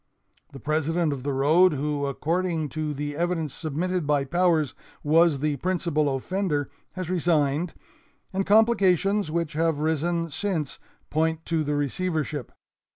The president of the road who, according to the evidence submitted by Powers, was the principal offender, has resigned, and complications which have risen since point to the receivership.